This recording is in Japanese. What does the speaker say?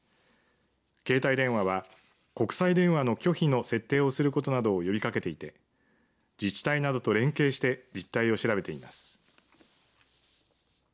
携帯電話は国際電話の拒否の設定をすることなどを呼びかけていて自治体などと連携して実態を調べています。